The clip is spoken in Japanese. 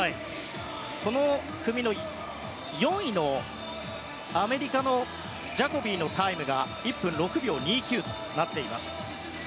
この組の４位のアメリカのジャコビーのタイムが１分６秒２９となっています。